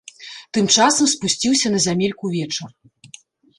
Тым часам спусціўся на зямельку вечар.